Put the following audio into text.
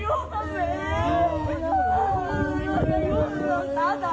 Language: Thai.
โรงาตุรควัตเทอร์ที่เว้ยฟัยได้